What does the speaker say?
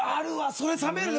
それ冷めるね。